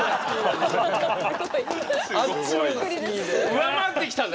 上回ってきたぜ。